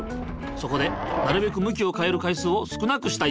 そこでなるべく向きを変える回数を少なくしたい。